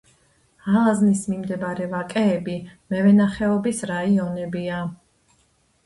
ალაზნის მიმდებარე ვაკეები მევენახეობის რაიონებია.